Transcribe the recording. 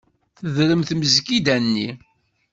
Tedrem tmesgida-nni.